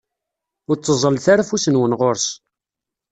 Ur tteẓẓlet ara afus-nwen ɣur-s!